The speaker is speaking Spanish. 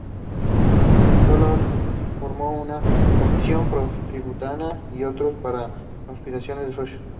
Sola formó una comisión "Pro Tribuna" y otra para conscripción de socios.